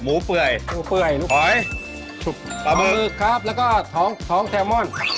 หมูเปลือยหอยปลามือครับแล้วก็ท้องแทรมอน